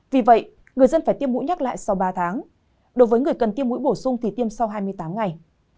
vì vậy người dân phải tiêm mũi nhắc lại sau ba tháng đối với người cần tiêm mũi bổ sung thì tiêm sau hai mươi tám ngày